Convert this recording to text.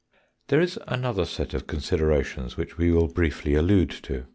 There is another set of considerations which we will briefly allude to.